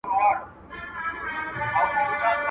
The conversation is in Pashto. د بدو به بد مومې.